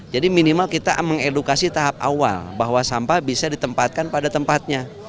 jadi minimal kita mengedukasi tahap awal bahwa sampah bisa ditempatkan pada tempatnya